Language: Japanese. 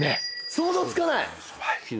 想像つかない！